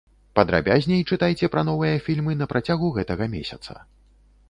Падрабязней чытайце пра новыя фільмы на працягу гэтага месяца.